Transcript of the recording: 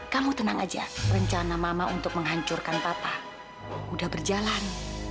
kamu tenang aja rencana mama untuk menghancurkan papa udah berjalan